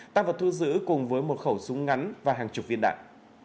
tăng vật thu giữ cùng với một khẩu súng ngắn và hàng chục viên đạn